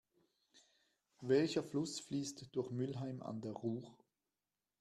Welcher Fluss fließt durch Mülheim an der Ruhr?